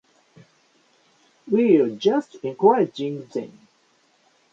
We're just encouraging them.